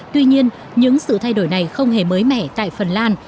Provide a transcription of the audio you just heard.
tuy nhiên những sự thay đổi này không hề mới mẻ tại phần lan